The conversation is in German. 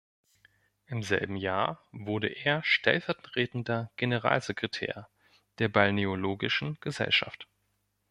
Im selben Jahr wurde er stellvertretender Generalsekretär der Balneologischen Gesellschaft.